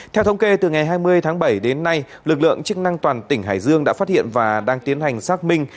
theo thống kê từ ngày hai mươi tháng bảy đến nay lực lượng chức năng toàn tỉnh hải dương đã phát hiện và đang tiến hành xác minh